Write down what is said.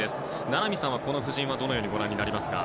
名波さんは、この布陣どうご覧になりますか？